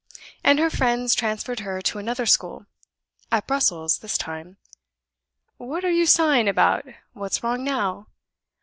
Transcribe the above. And her friends transferred her to another school; at Brussels, this time What are you sighing about? What's wrong now?"